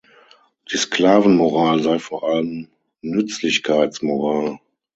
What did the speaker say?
Die Sklavenmoral sei vor allem "Nützlichkeits-Moral".